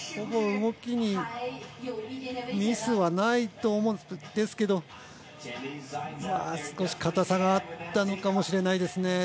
ほぼ動きにミスはないと思いますが少し硬さがあったのかもしれないですね。